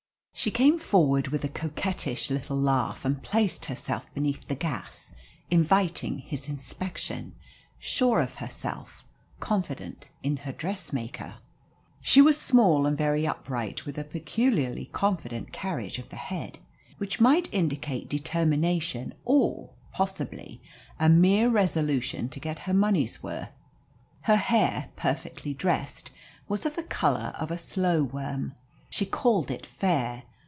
She came forward with a coquettish little laugh and placed herself beneath the gas, inviting his inspection, sure of herself, confident in her dressmaker. She was small and very upright, with a peculiarly confident carriage of the head, which might indicate determination or, possibly, a mere resolution to get her money's worth. Her hair, perfectly dressed, was of the colour of a slow worm. She called it fair.